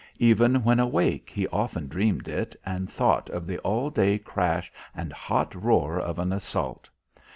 Even when awake, he often dreamed it and thought of the all day crash and hot roar of an assault.